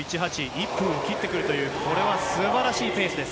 １分を切ってくるという、これはすばらしいペースです。